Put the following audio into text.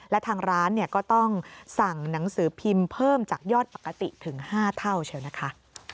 และทางร้านก็ต้องสั่งหนังสือพิมพ์เพิ่มจากยอดปกติถึง๕เท่าเชียวนะคะ